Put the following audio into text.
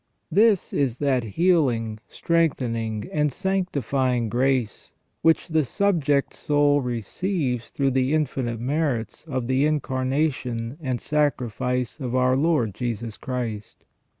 This is that healing, strengthening, and sanctifying grace which the subject soul receives through the infinite merits of the Incarnation and Sacrifice of our Lord Jesus Christ.